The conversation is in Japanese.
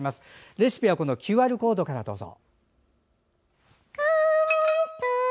レシピはＱＲコードからどうぞ。